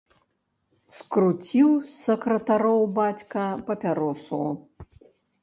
Скруціў сакратароў бацька папяросу.